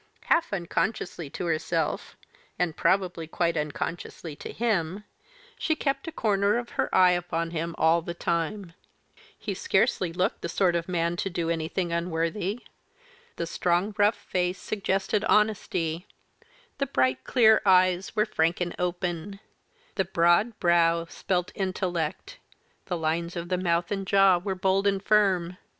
Half unconsciously to herself and probably quite unconsciously to him she kept a corner of her eye upon him all the time. He scarcely looked the sort of man to do anything unworthy. The strong rough face suggested honesty, the bright clear eyes were frank and open; the broad brow spelt intellect, the lines of the mouth and jaw were bold and firm.